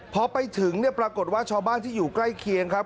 พอไปถึงเนี่ยปรากฏว่าชาวบ้านที่อยู่ใกล้เคียงครับ